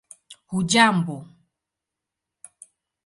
hujambo